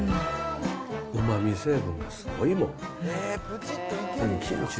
うまみ成分がすごいもん。